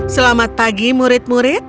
selamat pagi murid murid